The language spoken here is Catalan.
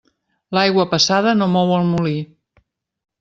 L'aigua passada no mou el molí.